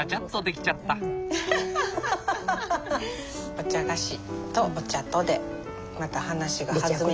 お茶菓子とお茶とでまた話が弾む。